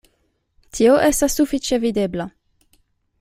Tio estas sufiĉe videbla.